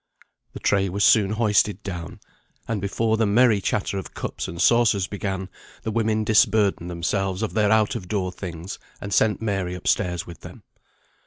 The tray was soon hoisted down, and before the merry chatter of cups and saucers began, the women disburdened themselves of their out of door things, and sent Mary up stairs with them.